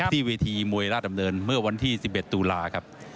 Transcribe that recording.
ที่วีทีมวยราจำเดินเมื่อวันที่๑๑ตู้ลาครับ